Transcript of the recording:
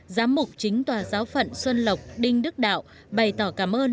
giám mục chính tòa giáo phận xuân lộc đinh đức đạo bày tỏ cảm ơn